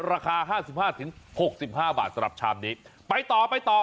ราคาถึง๖๕บาทสำหรับชามนี้ไปต่อ